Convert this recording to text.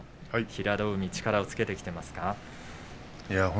平戸海、力をつけてきていますか。